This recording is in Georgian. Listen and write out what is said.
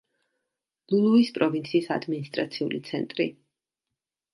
ლულუის პროვინციის ადმინისტრაციული ცენტრი.